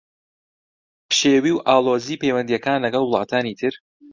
پشێوی و ئاڵۆزیی پەیوەندییەکان لەگەڵ وڵاتانی تر